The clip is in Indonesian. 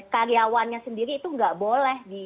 karyawannya sendiri itu nggak boleh